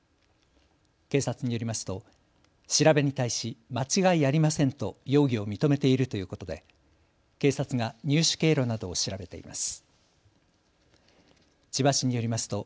警察によりますと調べに対し間違いありませんと容疑を認めているということで警察が入手経路などを調べています。